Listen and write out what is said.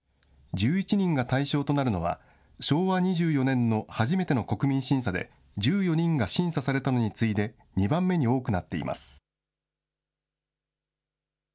１１人が対象となるのは、昭和２４年の初めての国民審査で、１４人が審査されたのに次いで２番目に多くなっています。